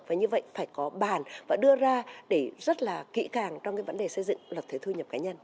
và như vậy phải có bàn và đưa ra để rất là kỹ càng trong cái vấn đề xây dựng luật thuế thu nhập cá nhân